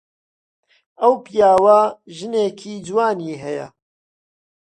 ئەو پیاوە ژنێکی جوانی هەیە.